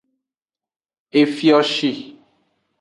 Efioshi.